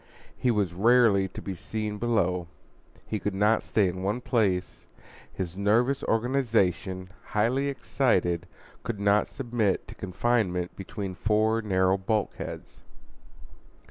He was rarely to be seen below. He could not stay in one place. His nervous organization, highly excited, could not submit to confinement between four narrow bulkheads.